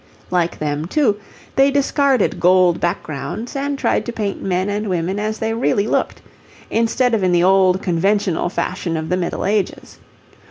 Like them, too, they discarded gold backgrounds and tried to paint men and women as they really looked, instead of in the old conventional fashion of the Middle Ages.